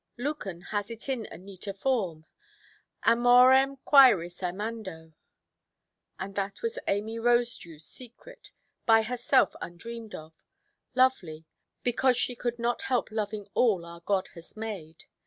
Lucan has it in a neater form: "amorem quæris amando". And that was Amy Rosedewʼs secret, by herself undreamed of—lovely, because she could not help loving all our God has made.